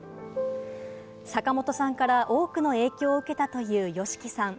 坂本さんから多くの影響を受けたというＹＯＳＨＩＫＩさん。